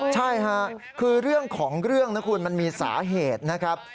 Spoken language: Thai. ใช่ค่ะคือเรื่องของเรื่องนะคุณมันมีสาเหตุนะครับ